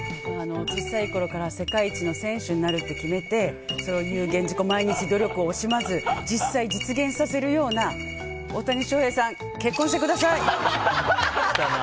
小さいころから世界一の選手になるって決めて毎日努力を惜しまず実際、実現させるような大谷翔平さん